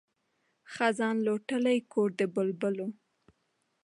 خزان لوټلی کور د بلبلو